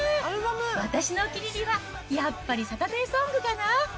私のお気に入りは、やっぱりサタデーソングかな。